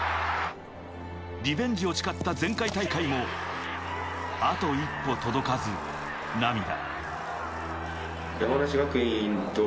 リベンジを誓った前回大会もあと一歩届かず、涙。